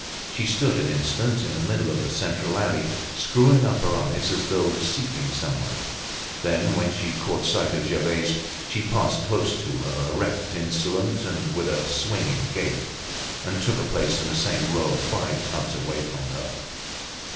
She stood an instant in the middle of the central alley, screwing up her eyes as though seeking someone; then, when she caught sight of Gervaise, she passed close to her, erect, insolent, and with a swinging gait, and took a place in the same row, five tubs away from her.